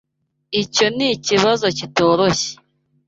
Icyo nikibazo kitoroshye.